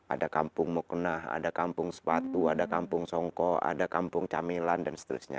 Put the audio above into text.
ada kampung mukna ada kampung sepatu ada kampung songko ada kampung camilan dan seterusnya